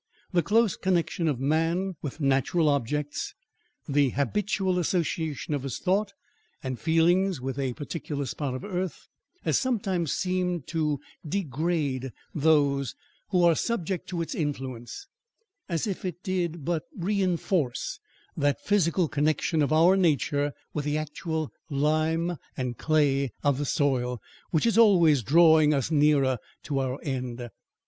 The close connexion of man with natural objects, the habitual association of his thoughts and feelings with a particular spot of earth, has sometimes seemed to degrade those who are subject to its influence, as if it did but reinforce that physical connexion of our nature with the actual lime and clay of the soil, which is always drawing us nearer to our end.